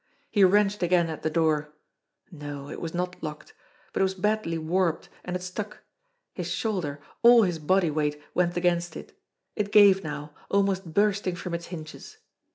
He wrenched again at the door. No, it was not locked; but it A DEVIL'S ALIBI 185 was badly warped, and it stuck. His shoulder, all his body weight, went against it. It gave now, almost bursting from its hinges.